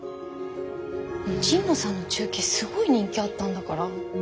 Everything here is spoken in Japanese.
神野さんの中継すごい人気あったんだから。